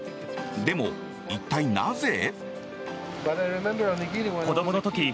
でも、一体なぜ？